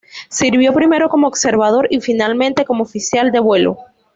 Sirvió primero como observador y finalmente como oficial de vuelo.